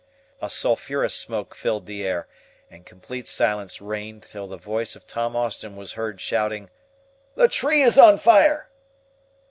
A sulphurous smoke filled the air, and complete silence reigned till the voice of Tom Austin was heard shouting: "The tree is on fire."